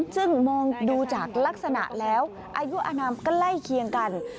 ซึ่งมองดูจากลักษณะแล้วอายุอนามใกล้เคียงกัน